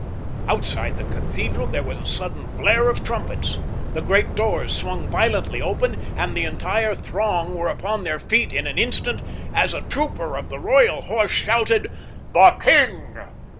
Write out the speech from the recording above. Outside the cathedral there was the sudden blare of trumpets. The great doors swung violently open, and the entire throng were upon their feet in an instant as a trooper of the Royal Horse shouted: "The king!